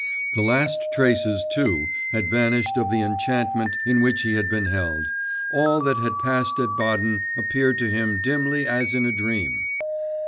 The last traces, too, had vanished of the enchantment in which he had been held; all that had passed at Baden appeared to him dimly as in a dream....